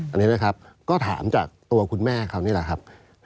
อันนี้นะครับก็ถามจากตัวคุณแม่เขานี่แหละครับ